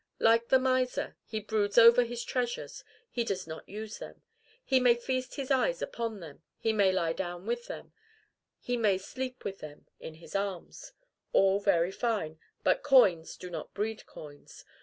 Like the miser, he broods over his treasures: he does not use them. He may feast his eyes upon them; he may lie down with them; he may sleep with them in his arms: all very fine, but coins do not breed coins.